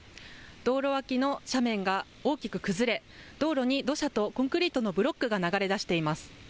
道路脇の斜面が大きく崩れ道路に土砂とコンクリートのブロックが流れ出しています。